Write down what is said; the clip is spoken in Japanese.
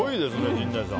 陣内さん。